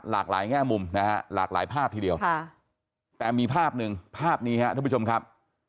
หลากหลายแง่มุมนะฮะหลากหลายภาพทีเดียวแต่มีภาพหนึ่งภาพนี้ครับท่านผู้ชมครับ